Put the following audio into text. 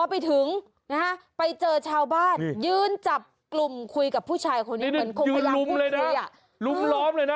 พอไปถึงนะฮะไปเจอชาวบ้านนี่ยืนจับกลุ่มคุยกับผู้ชายคนนี้เหมือนคงกำลังไม่เคยอ่ะยืนลุ้มเลยน่ะลุ้มล้อมเลยน่ะ